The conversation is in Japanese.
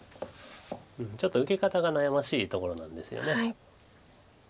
ちょっと受け方が悩ましいところなんですよね。